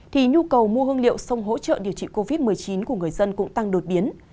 thì nhu cầu mua hương liệu sông hỗ trợ điều trị covid một mươi chín của người dân cũng tăng đột biến